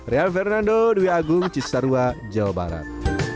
rian fernando dwi agung cisarua jawa barat